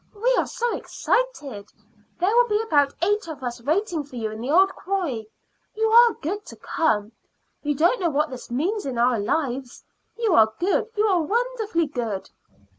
"We are so excited! There will be about eight of us waiting for you in the old quarry. You are good to come. You don't know what this means in our lives. You are good you are wonderfully good."